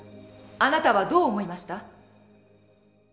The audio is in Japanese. あなたはどう思いました？